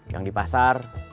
yang di pasar